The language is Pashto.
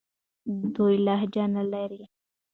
دوی لهجه نه لري.